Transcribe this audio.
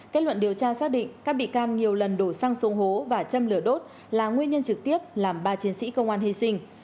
kết luận điều tra xác định các bị can nhiều lần đổ xăng xuống hố và châm lửa đốt là nguyên nhân trực tiếp làm ba chiến sĩ công an hy sinh